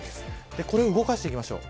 これを動かしていきましょう。